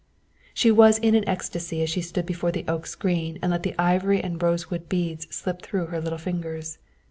She was in an ecstasy as she stood before the oak screen and let the ivory and rosewood beads slip through her little fingers.